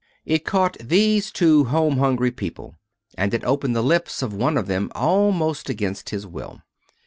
It caught those two home hungry people. And it opened the lips of one of them almost against his will.